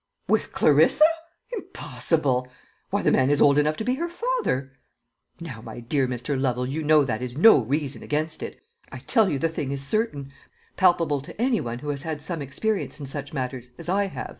"With Clarissa! Impossible! Why, the man is old enough to be her father." "Now, my dear Mr. Lovel, you know that is no reason against it. I tell you the thing is certain palpable to any one who has had some experience in such matters, as I have.